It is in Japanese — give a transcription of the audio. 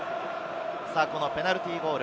ペナルティーゴール。